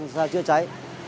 ra chữa cháy